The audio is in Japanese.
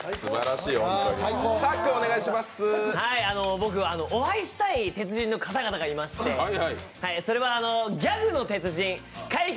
僕は、お会いしたい鉄人の方々がいまして、それは、ギャグの鉄人、怪奇！